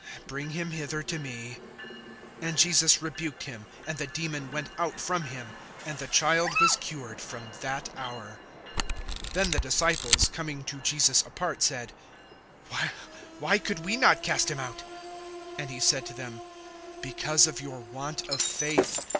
Bring him hither to me. (18)And Jesus rebuked him; and the demon went out from him, and the child was cured from that hour. (19)Then the disciples, coming to Jesus apart, said: Why could not we cast him out? (20)And he said to them: Because of your want of faith.